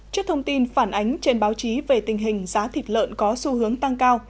trước thông tin phản ánh trên báo chí về tình hình giá thịt lợn có xu hướng tăng cao